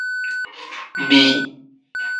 Bii.